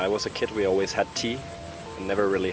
kami tidak pernah minum kopi hanya minum teh